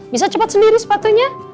bisa cepet sendiri sepatunya